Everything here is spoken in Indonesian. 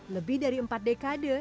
lebih dari empat dekade